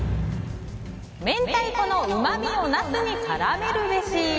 明太子のうまみをナスにからめるべし。